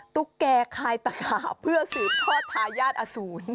ตุ๊กแก่คายตะขาบเพื่อสืบทอดทายาทอสูร